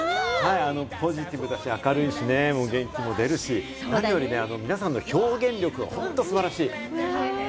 ポジティブだし明るいしね、元気も出るし、何よりね、皆さんの表現力、本当に素晴らしい！